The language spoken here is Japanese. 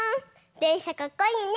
でんしゃかっこいいね！